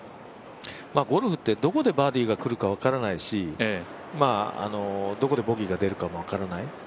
ゴルフってどこでバーディーが来るか分からないしどこでボギーが出るかも分からない。